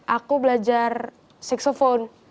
aku belajar saksepon